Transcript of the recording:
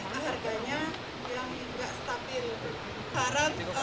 kadang kadang petani itu hasilnya itu cuma bisa menutupi untuk itu itu aja